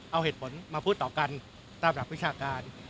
เอาเหตุผลมาพูดต่อกันตามหลักวิชาการ